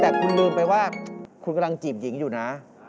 แต่คุณลืมไปว่าคุณกำลังจีบหญิงอยู่นะ